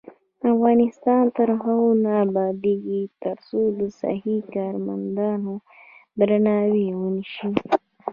افغانستان تر هغو نه ابادیږي، ترڅو د صحي کارمندانو درناوی ونشي.